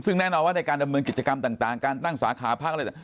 ซึ่งแน่นอนว่าในการดำเนินกิจกรรมต่างการตั้งสาขาพักอะไรต่าง